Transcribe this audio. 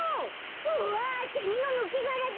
うわセミのぬけがらだ！